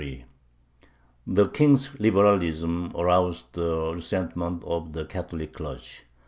The King's liberalism aroused the resentment of the Catholic clergy.